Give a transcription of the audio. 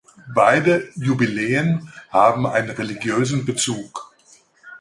Beide Jubiläen haben einen religiösen Bezug.